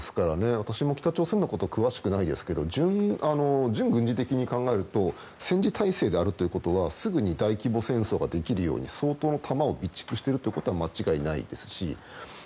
私も北朝鮮のことは詳しくないですけど軍事的に考えると戦時体制であるということはすぐに大規模戦争ができるように相当の弾を備蓄しているということは間違いないですし